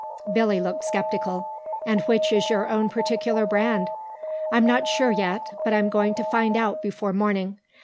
Billy looked sceptical. "And which is your own particular brand?" "I'm not sure yet. But I'm going to find out before morning.